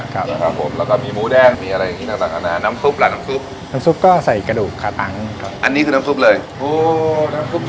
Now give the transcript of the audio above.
ใช่หมูเดียวกันครับหมูเดียวกันเลยนะครับใช่มันจะมีความเด็งเดียงอยู่น่ะ